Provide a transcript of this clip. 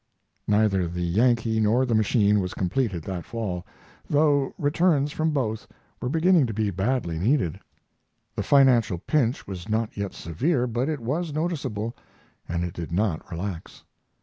Neither the Yankee nor the machine was completed that fall, though returns from both were beginning to be badly needed. The financial pinch was not yet severe, but it was noticeable, and it did not relax.